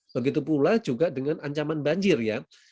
begitu pula juga dengan ancaman banjir ya